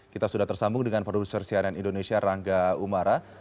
kita sudah tersambung dengan produser cnn indonesia rangga umara